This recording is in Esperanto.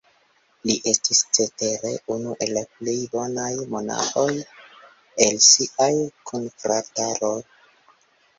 Li estis, cetere, unu el la plej bonaj monaĥoj el sia kunfrataro.